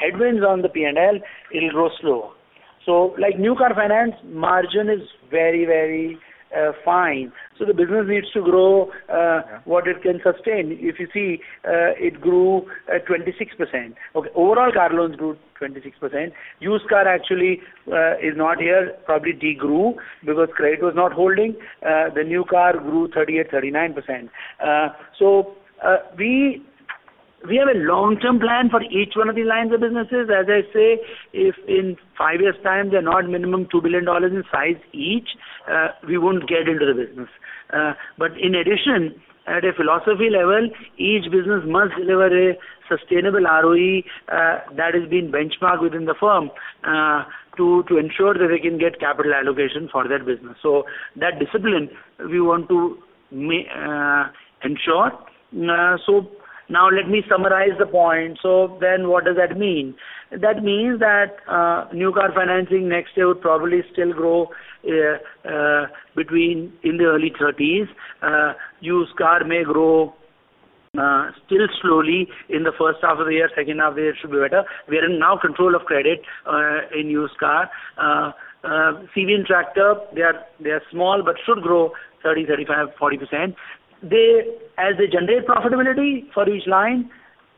headwinds on the P&L, it'll grow slower. So like new car finance, margin is very, very fine. So the business needs to grow what it can sustain. If you see it grew 26%. Okay. Overall, car loans grew 26%. Used car actually is not here, probably degrew because credit was not holding. The new car grew 38%-39%. So we have a long-term plan for each one of these lines of businesses. As I say, if in five years' time, they're not minimum INR 2 billion in size each, we won't get into the business. But in addition, at a philosophy level, each business must deliver a sustainable ROE that has been benchmarked within the firm to ensure that they can get capital allocation for that business. So that discipline, we want to ensure. So now, let me summarize the point. So then what does that mean? That means that new car financing next year would probably still grow in the early 30s. Used car may grow still slowly in the first half of the year. Second half of the year should be better. We are now in control of credit in used car. CV and tractor, they are small but should grow 30%, 35%, 40%. As they generate profitability for each line,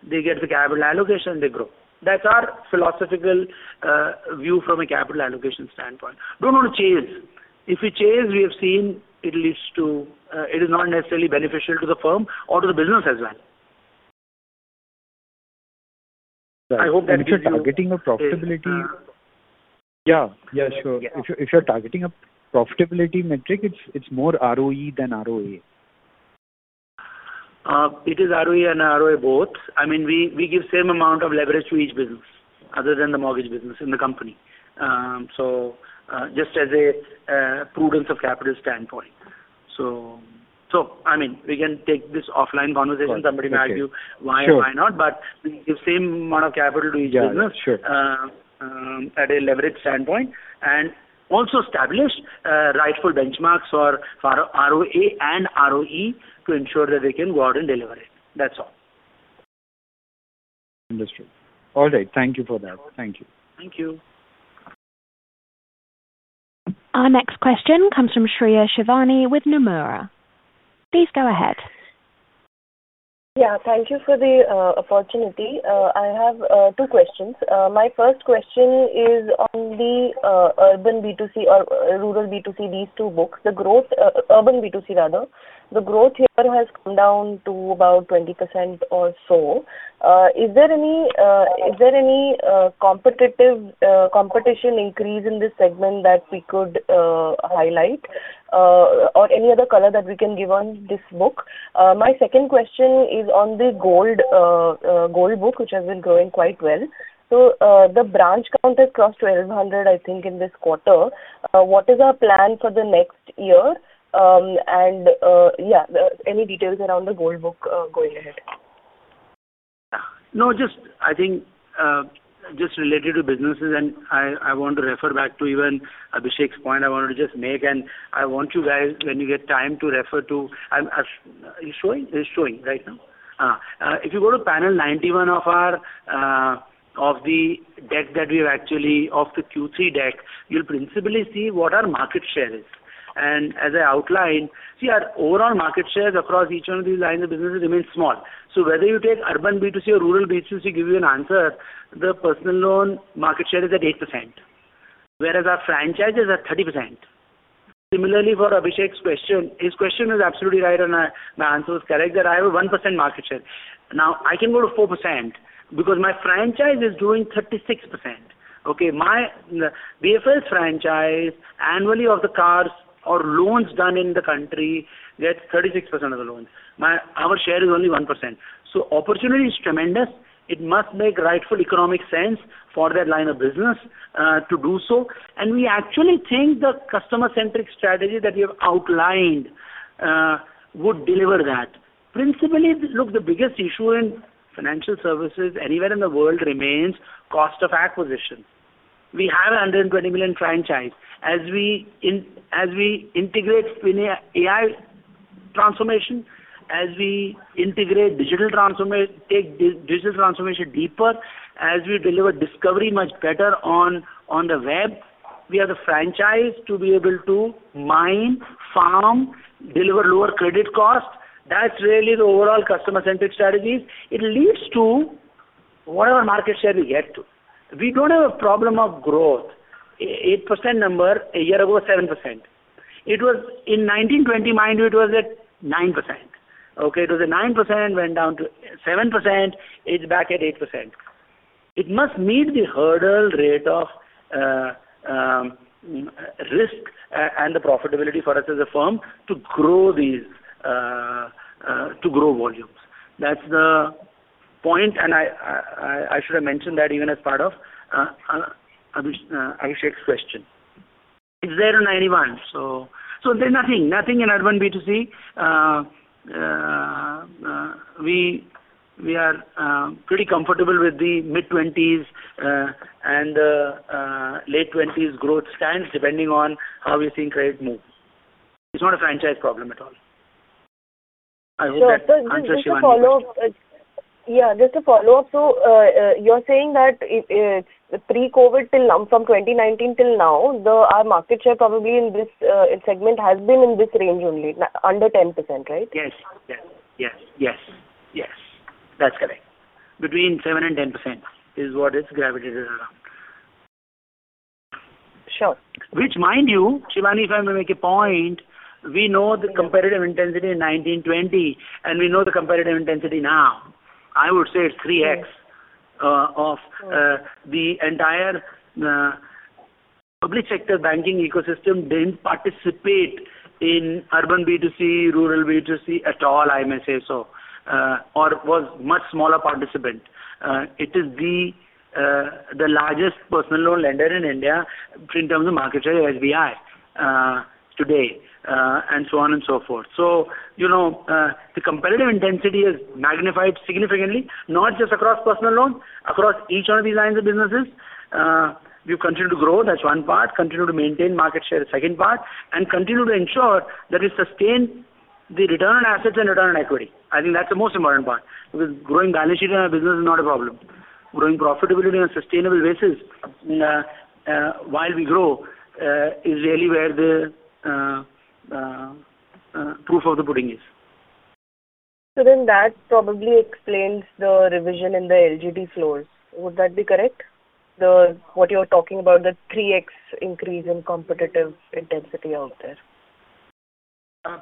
they get the capital allocation, they grow. That's our philosophical view from a capital allocation standpoint. Don't want to chase. If we chase, we have seen it leads to it is not necessarily beneficial to the firm or to the business as well. I hope that it's not. If you're targeting a profitability. If you're targeting a profitability metric, it's more ROE than ROA. It is ROE and ROA both. I mean, we give the same amount of leverage to each business other than the mortgage business in the company. So just as a prudence of capital standpoint. So I mean, we can take this offline conversation. Somebody may argue why or why not, but we give the same amount of capital to each business at a leverage standpoint and also establish rightful benchmarks for ROA and ROE to ensure that they can go out and deliver it. That's all. Understood. All right. Thank you for that. Thank you. Thank you. Our next question comes from Shreya Shivani with Nomura. Please go ahead. Yeah. Thank you for the opportunity. I have two questions. My first question is on the urban B2C or rural B2C, these two books. Urban B2C, rather. The growth here has come down to about 20% or so. Is there any competition increase in this segment that we could highlight or any other color that we can give on this book? My second question is on the gold book, which has been growing quite well. So the branch count has crossed 1,200, I think, in this quarter. What is our plan for the next year? And yeah, any details around the gold book going ahead? No. I think just related to businesses, and I want to refer back to even Abhishek's point I wanted to just make. And I want you guys, when you get time, to refer to. Is it showing? It's showing right now. If you go to panel 91 of the deck that we have actually of the Q3 deck, you'll principally see what our market share is. And as I outlined, see, our overall market shares across each one of these lines of businesses remain small. So whether you take urban B2C or rural B2C, give you an answer, the personal loan market share is at 8%, whereas our franchises are 30%. Similarly, for Abhishek's question, his question is absolutely right, and my answer was correct that I have a 1% market share. Now, I can go to 4% because my franchise is doing 36%. Okay? BFL's franchise, annually of the cars or loans done in the country gets 36% of the loans. Our share is only 1%. So opportunity is tremendous. It must make rightful economic sense for that line of business to do so. We actually think the customer-centric strategy that we have outlined would deliver that. Principally, look, the biggest issue in financial services anywhere in the world remains cost of acquisition. We have a 120 million franchise. As we integrate in AI transformation, as we integrate digital transformation, take digital transformation deeper, as we deliver discovery much better on the web, we have the franchise to be able to mine, farm, deliver lower credit cost. That's really the overall customer-centric strategies. It leads to whatever market share we get to. We don't have a problem of growth. 8% number a year ago, 7%. In FY20, mind you, it was at 9%. Okay? It was at 9%, went down to 7%. It's back at 8%. It must meet the hurdle rate of risk and the profitability for us as a firm to grow these to grow volumes. That's the point. And I should have mentioned that even as part of Abhishek's question. It's there on 91. So there's nothing. Nothing in urban B2C. We are pretty comfortable with the mid-20s and the late-20s growth stance depending on how we think credit moves. It's not a franchise problem at all. I hope that answers Shivani. So just to follow up yeah, just to follow up. So you're saying that pre-COVID from 2019 till now, our market share probably in this segment has been in this range only, under 10%, right? Yes. Yes. Yes. Yes. Yes. That's correct. Between 7% and 10% is what it's gravitated around. Sure. Which, mind you, Shivani, if I may make a point, we know the competitive intensity in 1920, and we know the competitive intensity now. I would say it's 3x of the entire public sector banking ecosystem didn't participate in urban B2C, rural B2C at all, I may say so, or was a much smaller participant. It is the largest personal loan lender in India in terms of market share as we are today, and so on and so forth. So the competitive intensity has magnified significantly, not just across personal loans, across each one of these lines of businesses. We've continued to grow. That's one part. Continue to maintain market share, second part, and continue to ensure that we sustain the return on assets and return on equity. I think that's the most important part because growing balance sheet in our business is not a problem. Growing profitability on a sustainable basis while we grow is really where the proof of the pudding is. So then that probably explains the revision in the LGD floors. Would that be correct, what you're talking about, the 3x increase in competitive intensity out there?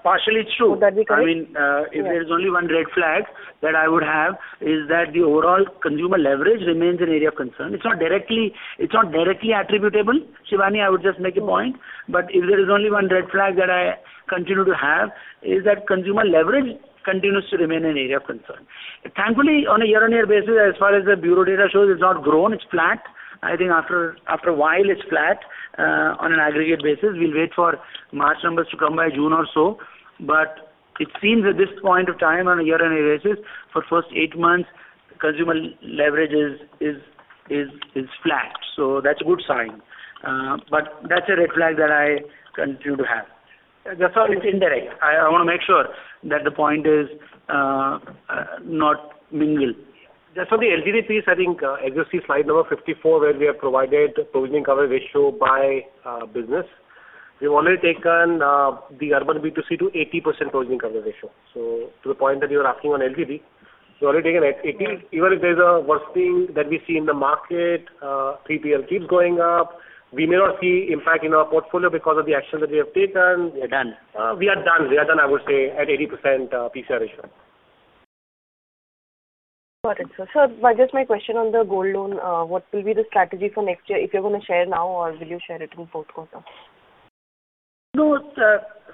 Partially, it's true. Would that be correct? I mean, if there's only one red flag that I would have is that the overall consumer leverage remains an area of concern. It's not directly attributable, Shivani. I would just make a point. But if there is only one red flag that I continue to have is that consumer leverage continues to remain an area of concern. Thankfully, on a year-on-year basis, as far as the bureau data shows, it's not grown. It's flat. I think after a while, it's flat on an aggregate basis. We'll wait for March numbers to come by June or so. But it seems at this point of time, on a year-on-year basis, for the first eight months, consumer leverage is flat. So that's a good sign. But that's a red flag that I continue to have. That's all. It's indirect. I want to make sure that the point is not mingled. Just for the LGD piece, I think exists the slide number 54 where we have provided provisioning coverage ratio by business. We've already taken the urban B2C to 80% provisioning coverage ratio. So to the point that you were asking on LGD, we've already taken it at 80. Even if there's a worsening that we see in the market, NPL keeps going up. We may not see impact in our portfolio because of the actions that we have taken. You're done. We are done. We are done, I would say, at 80% PCR ratio. Got it. So just my question on the gold loan. What will be the strategy for next year if you're going to share now, or will you share it in the fourth quarter? No,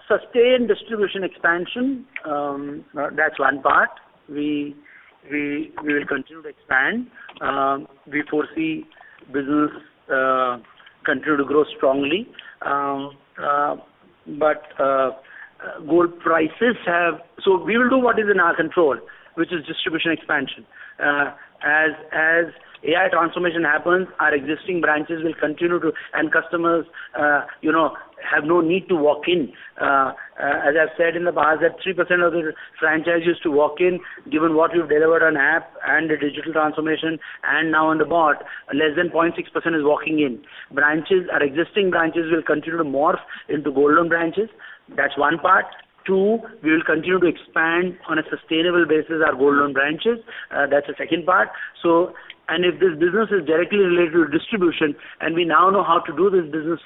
sustained distribution expansion. That's one part. We will continue to expand. We foresee business continue to grow strongly. But gold prices have so we will do what is in our control, which is distribution expansion. As AI transformation happens, our existing branches will continue to and customers have no need to walk in. As I've said in the past, that 3% of the franchise used to walk in, given what we've delivered on app and the digital transformation and now on the bot, less than 0.6% is walking in. Existing branches will continue to morph into gold loan branches. That's one part. Two, we will continue to expand on a sustainable basis, our gold loan branches. That's the second part. And if this business is directly related to distribution and we now know how to do this business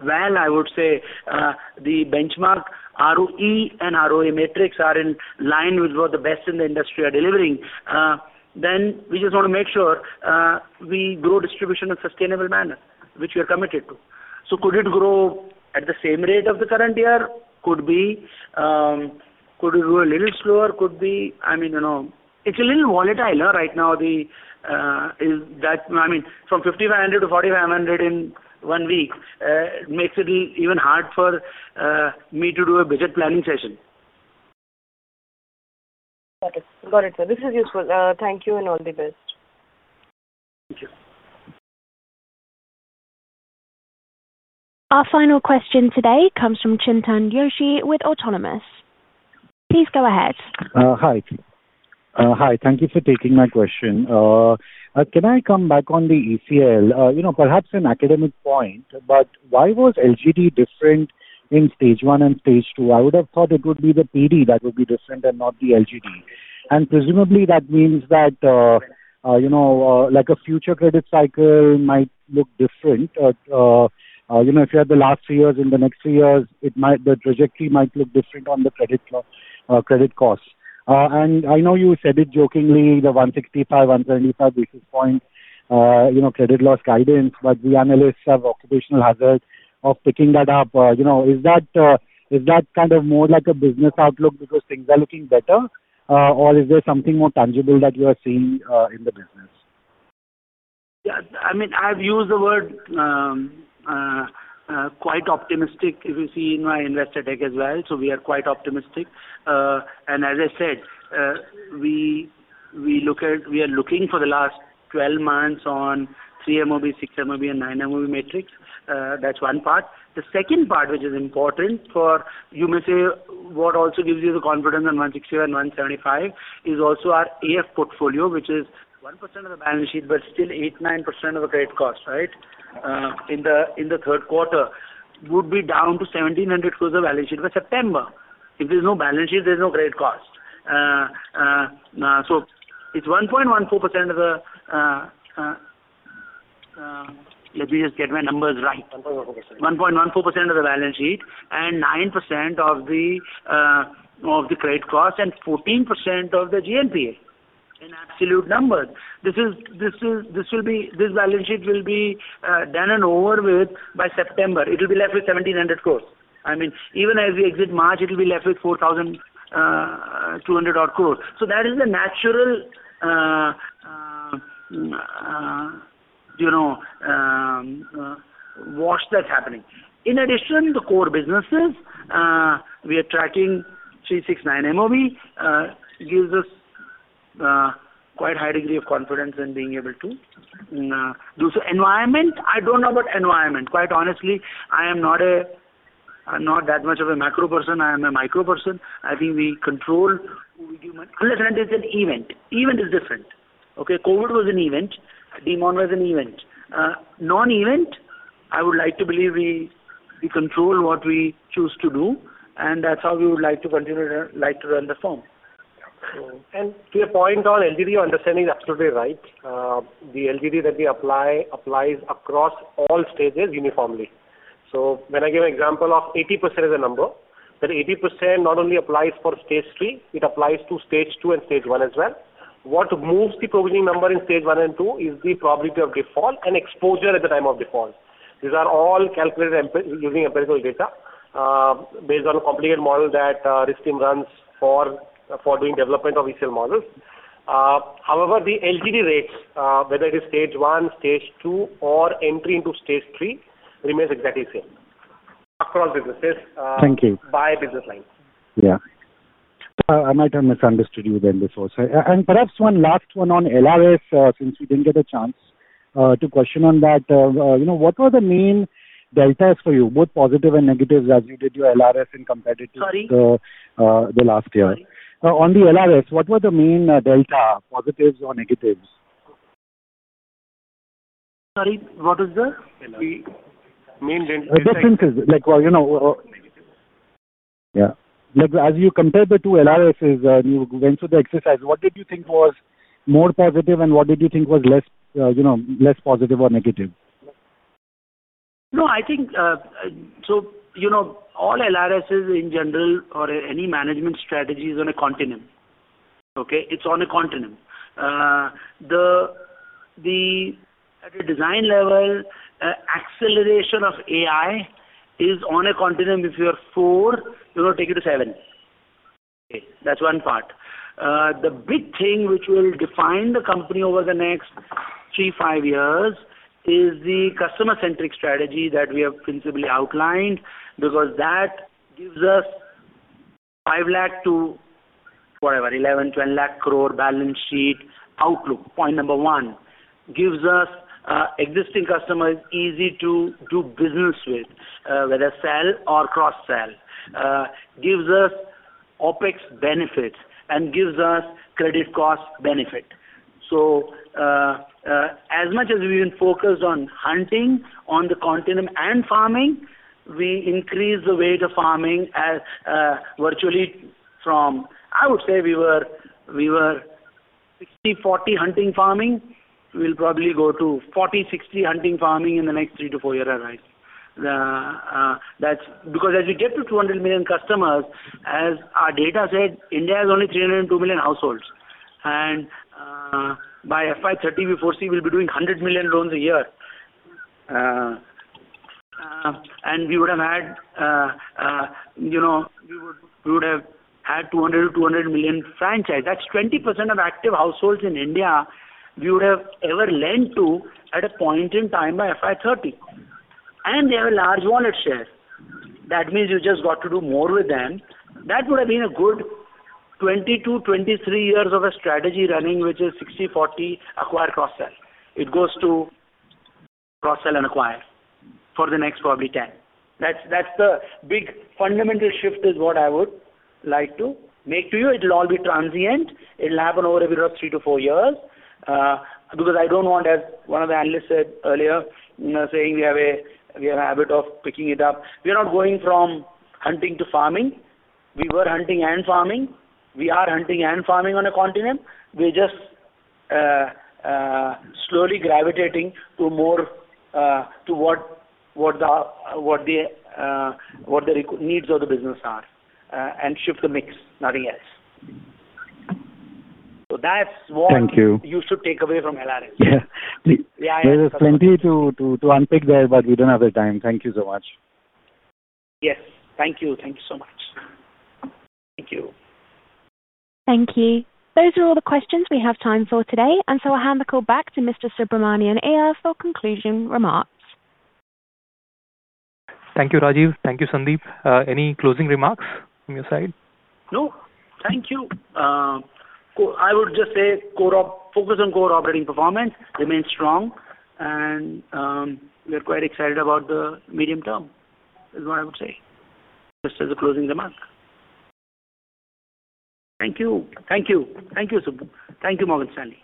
well, I would say the benchmark ROE and ROA metrics are in line with what the best in the industry are delivering, then we just want to make sure we grow distribution in a sustainable manner, which we are committed to. So could it grow at the same rate of the current year? Could be. Could it grow a little slower? Could be. I mean, it's a little volatile right now. I mean, from 5,500 to 4,500 in one week makes it even hard for me to do a budget planning session. Got it. Got it, sir. This is useful. Thank you and all the best. Thank you. Our final question today comes from Chintan Joshi with Autonomous. Please go ahead. Hi. Hi. Thank you for taking my question. Can I come back on the ECL? Perhaps an academic point, but why was LGD different in Stage one and Stage two? I would have thought it would be the PD that would be different and not the LGD. And presumably, that means that a future credit cycle might look different. If you had the last 3 years in the next 3 years, the trajectory might look different on the credit cost. And I know you said it jokingly, the 165-175 basis point credit loss guidance, but the analysts have occupational hazard of picking that up. Is that kind of more like a business outlook because things are looking better, or is there something more tangible that you are seeing in the business? Yeah. I mean, I've used the word quite optimistic, if you see, in my investor deck as well. So we are quite optimistic. And as I said, we are looking for the last 12 months on 3MOB, 6MOB, and 9MOB metrics. That's one part. The second part, which is important for you may say what also gives you the confidence on 165 and 175 is also our AF portfolio, which is 1% of the balance sheet, but still 8-9% of the credit cost, right, in the third quarter would be down to 1,700 for the balance sheet by September. If there's no balance sheet, there's no credit cost. So it's 1.14% of the let me just get my numbers right. 1.14%. 1.14% of the balance sheet and 9% of the credit cost and 14% of the GNPA in absolute numbers. This will be this balance sheet will be done and over with by September. It'll be left with 1,700 crore. I mean, even as we exit March, it'll be left with 4,200 crore. So that is the natural wash that's happening. In addition, the core businesses, we are tracking three, six, nine MOB gives us quite a high degree of confidence in being able to do so. Environment, I don't know about environment. Quite honestly, I am not that much of a macro person. I am a micro person. I think we control who we do unless it's an event. Event is different. Okay? COVID was an event. DeMon was an event. Non-event, I would like to believe we control what we choose to do, and that's how we would like to continue to run the firm. Yeah. And to your point on LGD, your understanding is absolutely right. The LGD that we apply applies across all stages uniformly. So when I give an example of 80% as a number, that 80% not only applies for stage three. It applies to stage two and stage one as well. What moves the provisioning number in stage one and stage two is the probability of default and exposure at the time of default. These are all calculated using empirical data based on a complicated model that Risk Team runs for doing development of ECL models. However, the LGD rates, whether it is stage one, stage two, or entry into stage three, remain exactly same across businesses. Thank you. By business line. Yeah. I might have misunderstood you then before. Perhaps one last one on LRP since we didn't get a chance to question on that. What were the main deltas for you, both positive and negative, as you did your LRP in compared to the last year? Sorry? On the LRP, what were the main delta, positives or negatives? Sorry. What is the main delta? The differences. Negatives. Yeah. As you compared the two LRPs, you went through the exercise. What did you think was more positive, and what did you think was less positive or negative? No. So all LRPs in general or any management strategy is on a continuum. Okay? It's on a continuum. At a design level, acceleration of AI is on a continuum. If you're four, you're going to take it to seven. That's one part. The big thing which will define the company over the next 3-5 years is the customer-centric strategy that we have principally outlined because that gives us 500,000 crore to whatever, 1,100,000-1,200,000 crore balance sheet outlook. Point number one, gives us existing customers easy to do business with, whether sell or cross-sell, gives us OPEX benefits, and gives us credit cost benefit. So as much as we've been focused on hunting on the continuum and farming, we increased the weight of farming virtually from I would say we were 60/40 hunting-farming. We'll probably go to 40/60 hunting-farming in the next 3-4 year arrival. Because as we get to 200 million customers, as our data said, India has only 302 million households. And by FY 2030, we foresee we'll be doing 100 million loans a year. And we would have had we would have had 200 to 200 million franchise. That's 20% of active households in India we would have ever lent to at a point in time by FY 2030. And they have a large wallet share. That means you just got to do more with them. That would have been a good 20-23 years of a strategy running, which is 60/40 acquire, cross-sell. It goes to cross-sell and acquire for the next probably 10. That's the big fundamental shift is what I would like to make to you. It'll all be transient. It'll happen over a period of 3-4 years because I don't want, as one of the analysts said earlier, saying we have a habit of picking it up. We are not going from hunting to farming. We were hunting and farming. We are hunting and farming on a continent. We're just slowly gravitating to what the needs of the business are and shift the mix, nothing else. So that's what. Thank you. You should take away from LRP. Yeah. Please. Yeah. I understand. There is plenty to unpick there, but we don't have the time. Thank you so much. Yes. Thank you. Thank you so much. Thank you. Thank you. Those are all the questions we have time for today. I'll hand the call back to Mr. Subramanian Iyer for concluding remarks. Thank you, Rajeev. Thank you, Sandeep. Any closing remarks from your side? No. Thank you. I would just say, focus on core operating performance. Remain strong. And we are quite excited about the medium term, is what I would say, just as a closing remark. Thank you, Morgan Stanley.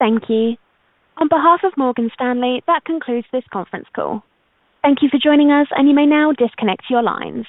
Thank you. On behalf of Morgan Stanley, that concludes this conference call. Thank you for joining us, and you may now disconnect your lines.